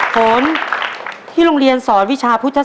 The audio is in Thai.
ฝนที่โรงเรียนสอนวิชาเพื่อเพื่อน